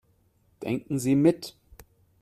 Denken Sie mit.